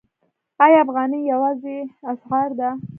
آیا افغانۍ یوازینۍ اسعار ده؟